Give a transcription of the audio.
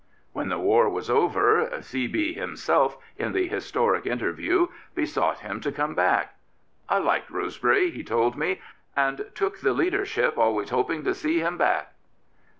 When the war was over, " C. B. himself, in the historic interview, besought him to come back. (" I liked Rosebery, he told me, " and took the leadership always hoping to see him back.